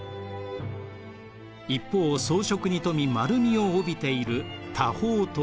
一方装飾に富み丸みを帯びている多宝塔。